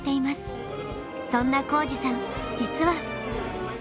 そんな皓史さん実は。